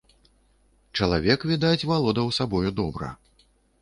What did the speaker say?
Чалавек, відаць, валодаў сабою добра.